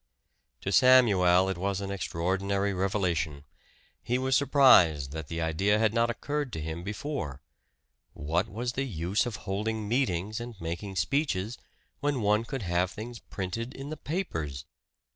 To Samuel it was an extraordinary revelation. He was surprised that the idea had not occurred to him before. What was the use of holding meetings and making speeches, when one could have things printed in the papers?